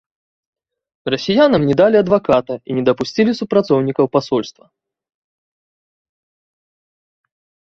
Расіянам не далі адваката і не дапусцілі супрацоўнікаў пасольства.